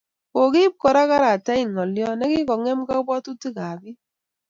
Kikoib Kora karatain ngolyot nekikongem kabwatutikab bik